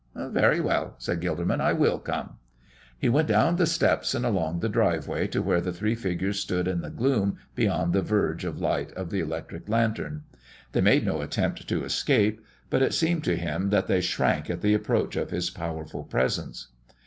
"Very well," said Gilderman, "I will come." He went down the steps and along the driveway to where the three figures stood in the gloom beyond the verge of light of the electric lantern. They made no attempt to escape, but it seemed to him that they shrank at the approach of his powerful presence.